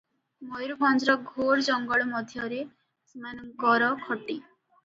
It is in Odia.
ମୟୁରଭଞ୍ଜର ଘୋର ଜଙ୍ଗଲ ମଧ୍ୟରେ ସେମାନଙ୍କର ଖଟି ।